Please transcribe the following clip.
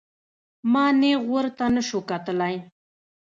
ما نېغ ورته نسو کتلى.